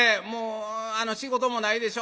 仕事もないでしょ？